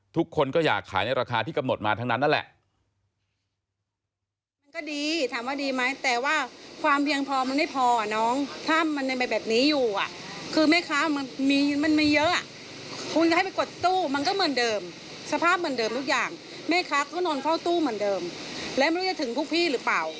ทุกคนก็อยากขายในราคาที่กำหนดมาทั้งนั้นนั่นแหละ